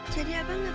jadi abah nabrak orang